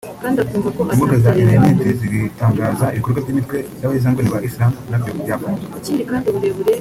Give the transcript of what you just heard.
imbuga za interineti zitangaza ibikorwa by’imitwe y’abahezanguni ba Islam nabyo byafunzwe